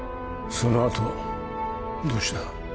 そのあとどうした？